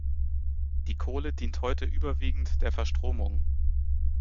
Die Kohle dient heute überwiegend der Verstromung.